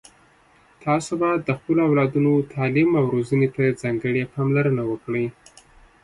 تاسو باید د خپلو اولادونو تعلیم او روزنې ته ځانګړي پاملرنه وکړئ